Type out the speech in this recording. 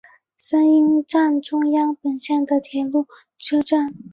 三鹰站中央本线的铁路车站。